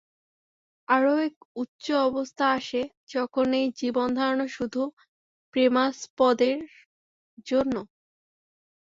আরও এক উচ্চ অবস্থা আসে, যখন এই জীবনধারণও শুধু প্রেমাস্পদের জন্য।